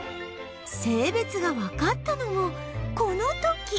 性別がわかったのもこの時